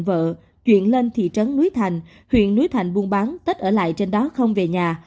vợ chuyển lên thị trấn núi thành huyện núi thành buôn bán tết ở lại trên đó không về nhà